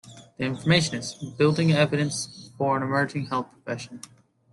The informationist: Building evidence for an emerging health profession.